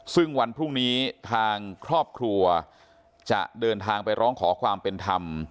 ซึ่งวันพรุ่งนี้ทางครอบครัวจะเดินทางไปร้องขอความเป็นธรรม